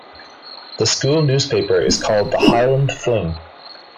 The school newspaper is called "The Highland Fling".